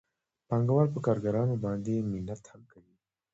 پانګوال په کارګرانو باندې منت هم کوي